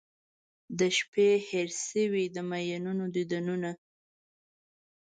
د شپې هیر شوي د میینو دیدنونه